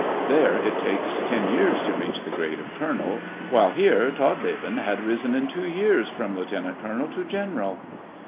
There it takes ten years to reach the grade of colonel, while here Todleben had risen in two years from lieutenant colonel to general.